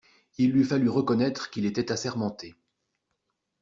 Il lui fallut reconnaître qu'il était assermenté.